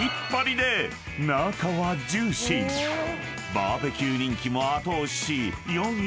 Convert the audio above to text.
［バーベキュー人気も後押しし］